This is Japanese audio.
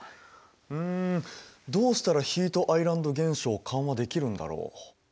うんどうしたらヒートアイランド現象を緩和できるんだろう。